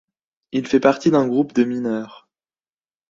Il fait partie d’un groupe de mineurs.